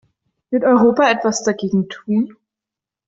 Wird Europa etwas dagegen tun?